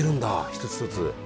一つ一つ。